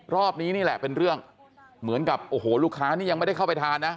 รอบนี้นี่แหละเป็นเรื่องเหมือนกับโอ้โหลูกค้านี่ยังไม่ได้เข้าไปทานนะ